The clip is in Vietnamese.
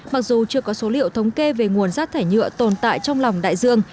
mặc dù chưa có số liệu thống kê về nguồn rác thải nhựa tồn tại trong lòng đại dương